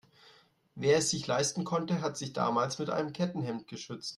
Wer es sich leisten konnte, hat sich damals mit einem Kettenhemd geschützt.